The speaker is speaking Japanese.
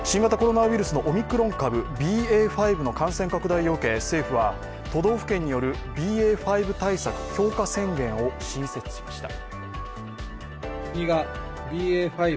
オミクロン株ＢＡ．５の感染拡大を受け政府は都道府県によるＢＡ．５対策強化宣言を新設しました。